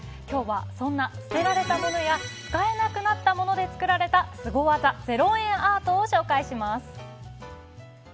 今日はそんな捨てられたものや使えなくなったもので作られたスゴ技、０円アートを紹介します。